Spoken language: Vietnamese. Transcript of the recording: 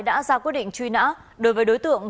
đã ra quyết định truy nã đối với đối tượng